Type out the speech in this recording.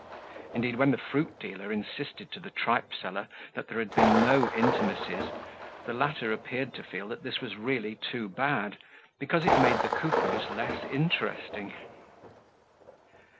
Indeed, when the fruit dealer insisted to the tripe seller that there had been no intimacies, the latter appeared to feel that this was really too bad, because it made the Coupeaus less interesting.